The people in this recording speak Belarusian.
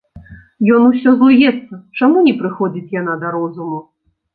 Ён усё злуецца, чаму не прыходзіць яна да розуму.